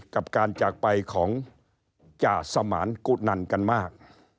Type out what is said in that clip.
กับการจากไปของจ่าสมานกุนันกันมาก